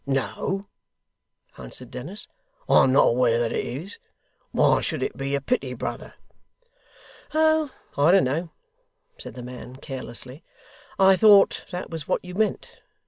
'No,' answered Dennis, 'I'm not aware that it is. Why should it be a pity, brother?' 'Oh! I don't know,' said the man carelessly. 'I thought that was what you meant.